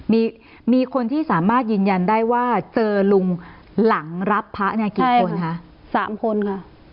มีมีคนที่สามารถยืนยันได้ว่าเจอลุงหลังรับพระเนี่ยกี่คนคะสามคนค่ะ